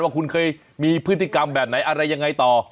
ว่าคุณเคยมีพฤติกรรมแบบไหนอะไรยังไงต่อ